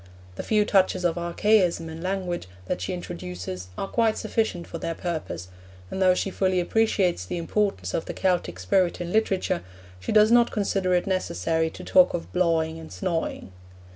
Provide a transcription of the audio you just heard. The few touches of archaism in language that she introduces are quite sufficient for their purpose, and though she fully appreciates the importance of the Celtic spirit in literature, she does not consider it necessary to talk of 'blawing' and 'snawing.'